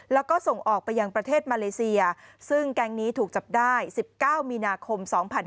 แล้วก็ส่งออกไปยังประเทศมาเลเซียซึ่งแก๊งนี้ถูกจับได้๑๙มีนาคม๒๕๕๙